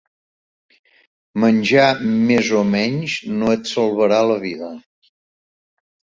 Menjar més o menys no et salvarà la vida.